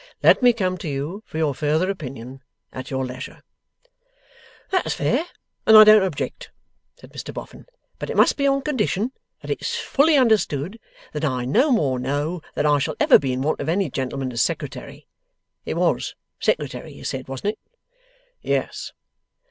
Let me come to you for your further opinion, at your leisure.' 'That's fair, and I don't object,' said Mr Boffin; 'but it must be on condition that it's fully understood that I no more know that I shall ever be in want of any gentleman as Secretary it WAS Secretary you said; wasn't it?' 'Yes.